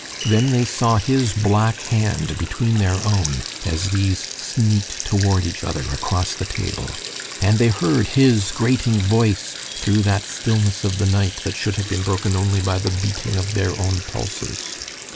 Then they saw his black hand between their own as these sneaked toward each other across the table; and they heard his grating voice through that stillness of the night that should have been broken only by the beating of their own pulses.